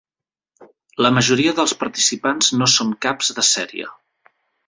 La majoria dels participants no són caps de sèrie.